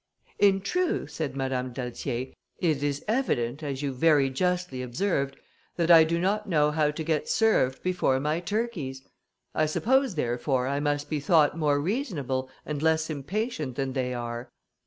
"In truth," said Madame d'Altier, "it is evident, as you very justly observed, that I do not know how to get served before my turkeys; I suppose, therefore, I must be thought more reasonable and less impatient than they are."